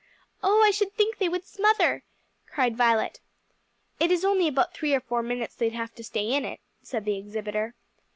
"Oh, I should think they would smother!" cried Violet. "It is only about three or four minutes they'd have to stay in it," said the exhibitor.